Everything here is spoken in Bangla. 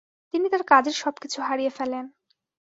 তিনি তার কাজের সবকিছু হারিয়ে ফেলেন।